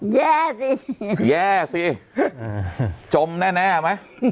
แย่สิแย่สิจมแน่ไหม